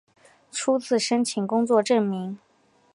初次申请工作证明